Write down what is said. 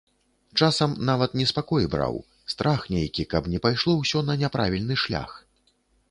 Часам нават неспакой браў, страх нейкі, каб не пайшло ўсё на няправільны шлях.